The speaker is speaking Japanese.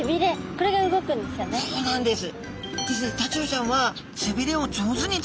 そうなんです。